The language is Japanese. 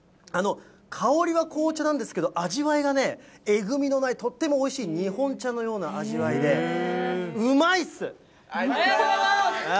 香りは紅茶なんですけど、味わいがね、えぐみのない、とってもおいしい日本茶のようなありがとうございます！